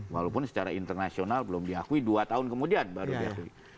walaupun secara internasional belum diakui dua tahun kemudian baru diakui